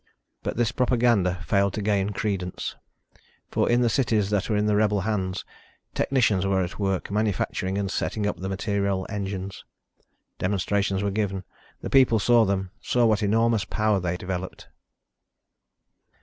But this propaganda failed to gain credence, for in the cities that were in the rebel hands, technicians were at work manufacturing and setting up the material engines. Demonstrations were given. The people saw them, saw what enormous power they developed.